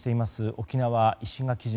沖縄・石垣島